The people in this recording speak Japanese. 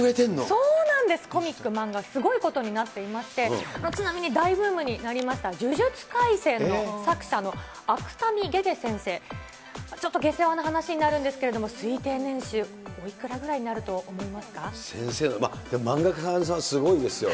そうなんです、コミック、漫画、すごいことになってまして、ちなみに大ブームになりました呪術廻戦の作者の芥見下々先生、ちょっと下世話な話になるんですけれども、推定年収おいくらぐら先生の、漫画家さんすごいですよ。